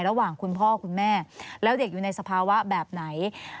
ระหว่างคุณพ่อคุณแม่แล้วเด็กอยู่ในสภาวะแบบไหน